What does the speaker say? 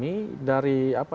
kita sudah menjelaskan